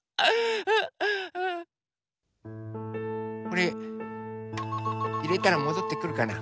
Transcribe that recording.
これいれたらもどってくるかな？